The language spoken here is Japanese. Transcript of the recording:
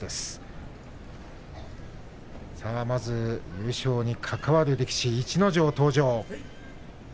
優勝に関わる力士、逸ノ城登場。